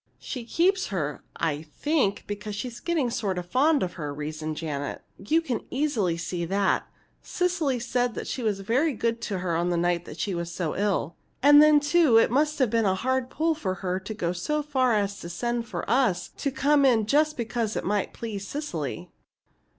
"She keeps her, I think, because she's getting sort of fond of her," reasoned Janet. "You can easily see that. Cecily said she was very good to her the night she was so ill. And then, too, it must have been a hard pull for her to go so far as to send for us to come in just because it might please Cecily."